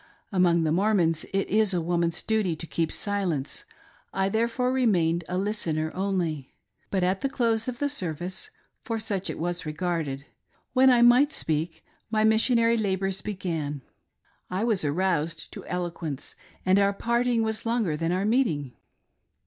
Among the Mormons it is a woman's duty to keep silence; I therefore remained a listener only. But at the close of the service — for such it was regarded — when I might speak, my missionary labors began, I was aroused to el6 ijuence, and our parting was longer than our meeting.